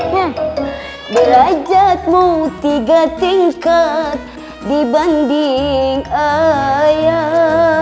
hah belajatmu tiga tingkat dibanding ayah